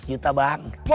lima belas juta bang